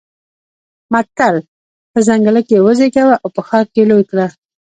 متل: په ځنګله کې يې وزېږوه او په ښار کې يې لوی کړه.